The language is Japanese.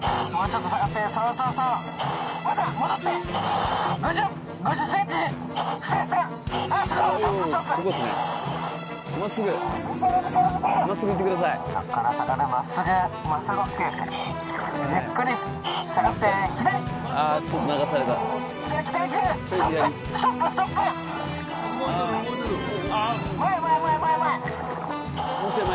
もうちょい前。